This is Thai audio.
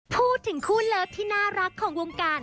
พูดถึงคู่เลิฟที่น่ารักของวงการ